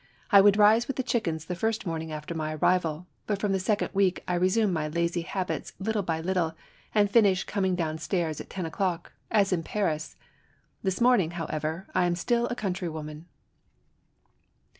I would rise with the chickens the first mornings after my arrival. But from the second week I resume my lazy habits lit tle by little and finish by coming down stairs at ten o'clock, as in Paris. This morning,, however, I am still a country woman."